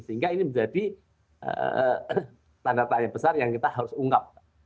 sehingga ini menjadi tanda tanya besar yang kita harus ungkap